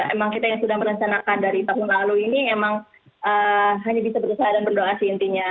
emang kita yang sudah merencanakan dari tahun lalu ini emang hanya bisa berusaha dan berdoa sih intinya